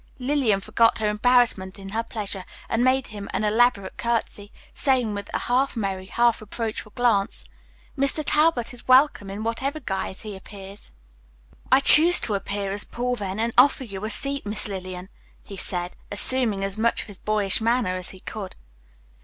Lillian forgot her embarrassment in her pleasure, and made him an elaborate curtsy, saying, with a half merry, half reproachful glance, "Mr. Talbot is welcome in whatever guise he appears." "I choose to appear as Paul, then, and offer you a seat, Miss Lillian," he said, assuming as much of his boyish manner as he could.